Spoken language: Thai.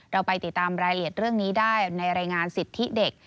เราไปติดตามรายละเอียดเรื่องนี้ได้ในรายงานสิทธิเด็ก